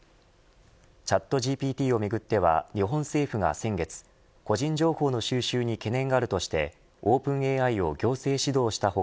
チャットＧＰＴをめぐっては日本政府が先月個人情報の収集に懸念があるとしてオープンＡＩを行政指導した他